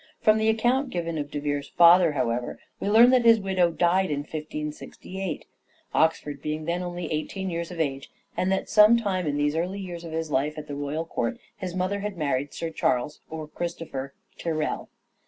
From the account given of De Vere's father, however, we learn that his widow died in 468 "SHAKESPEARE1 IDENTIFIED 1568, Oxford being then only eighteen years of age ; and that sometime in these early years of his life at the royal court, his mother had married Sir Charles (or Christopher) Tyrell.